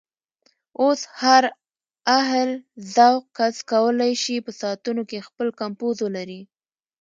اوس هر اهل ذوق کس کولی شي په ساعتونو کې خپل کمپوز ولري.